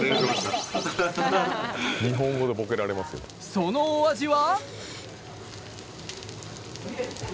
そのお味は？